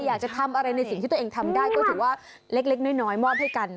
อยากจะทำอะไรในสิ่งที่ตัวเองทำได้ก็ถือว่าเล็กน้อยมอบให้กัน